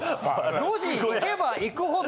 路地行けば行くほど。